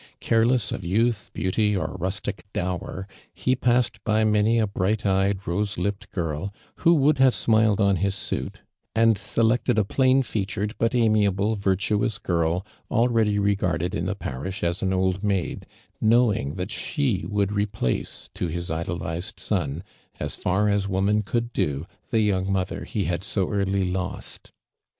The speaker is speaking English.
Careless of youth, beau ty, or rustic dower, he passed by many a bright eyed, rose lipped girl who would have smiled on his suit, and selected a plain featured, but amiable, virtuous girl, already regarded in the i>arish as an old maid, knowing that she would replace to his idolized son, as far as woman could do, the young mother he had so early lost.